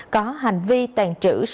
có hành vi tàn trữ